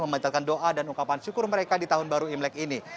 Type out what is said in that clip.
membatalkan doa dan ungkapan syukur mereka di tahun baru imlek ini